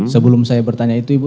sebelum saya bertanya itu ibu